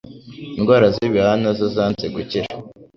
indwara z'ibihaha nazo zanze gukira